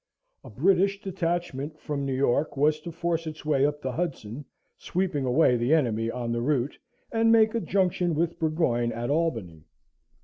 A British detachment from New York was to force its way up the Hudson, sweeping away the enemy on the route, and make a junction with Burgoyne at Albany.